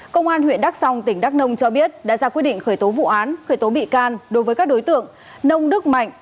công an huyện đắk song tỉnh đắk nông cho biết đã ra quyết định khởi tố vụ án khởi tố bị can đối với các đối tượng nông đức mạnh